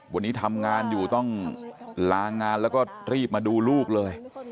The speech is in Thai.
วันนี้ทำงานอยู่ต้องลางานแล้วก็รีบมาดูลูกเลย